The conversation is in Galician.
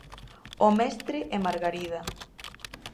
O mestre e Margarida.